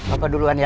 apa duluan ya